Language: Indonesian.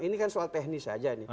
ini kan soal teknis saja nih